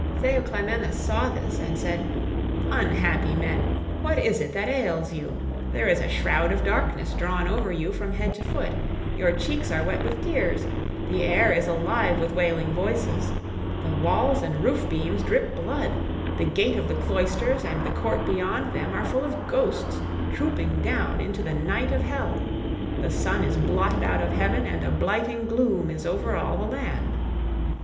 Theoclymenus saw this and said, "Unhappy men, what is it that ails you? There is a shroud of darkness drawn over you from head to foot, your cheeks are wet with tears; the air is alive with wailing voices; the walls and roof beams drip blood; the gate of the cloisters and the court beyond them are full of ghosts trooping down into the night of hell; the sun is blotted out of heaven, and a blighting gloom is over all the land."